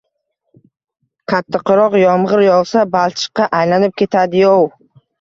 Qattiqroq yomg’ir yog’sa, balchiqqa aylanib ketadi-yov!